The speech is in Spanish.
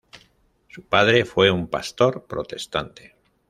Su padre fue un pastor protestante.